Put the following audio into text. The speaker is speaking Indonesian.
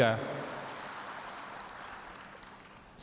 dan dari saya juga